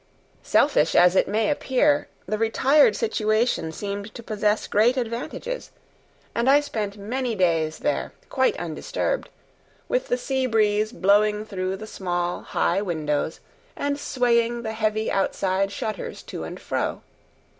Selfish as it may appear, the retired situation seemed to possess great advantages, and I spent many days there quite undisturbed, with the sea breeze blowing through the small, high windows and swaying the heavy outside shutters to and fro.